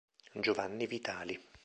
Giovanni Vitali